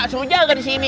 so jaga di sini